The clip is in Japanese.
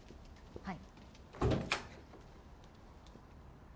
はい。